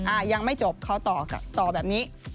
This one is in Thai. ยังไม่จบเขาต่อแบบนี้